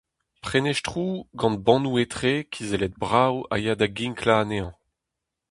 Prenestroù gant bannoù-etre kizellet-brav a ya da ginklañ anezhañ.